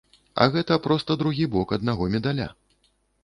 А гэта проста другі бок аднаго медаля.